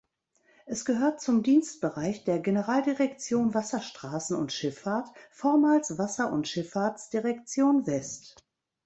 Es gehört zum Dienstbereich der Generaldirektion Wasserstraßen und Schifffahrt, vormals Wasser- und Schifffahrtsdirektion West.